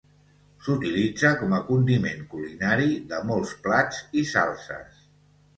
S'utilitza com a condiment culinari de molts plats i salses.